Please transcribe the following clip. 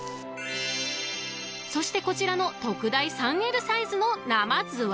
［そしてこちらの特大３Ｌサイズの］